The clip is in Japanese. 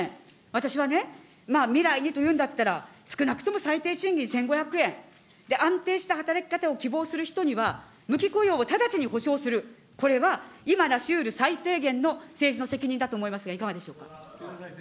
私はね、まあ、未来にというんだったら、少なくとも最低賃金１５００円、安定した働き方を希望する人には、無期雇用を直ちにほしょうする、これは、今なしうる最低限の政治の責任だと思いますが、いかがでしょうか。